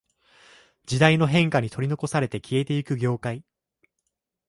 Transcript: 時代の変化に取り残されて消えていく業界